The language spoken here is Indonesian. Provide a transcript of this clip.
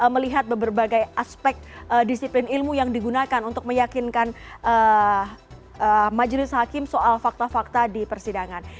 melihat berbagai aspek disiplin ilmu yang digunakan untuk meyakinkan majelis hakim soal fakta fakta di persidangan